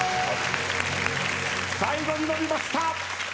最後に伸びました！